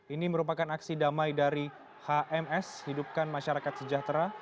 ini merupakan aksi damai dari hms hidupkan masyarakat sejahtera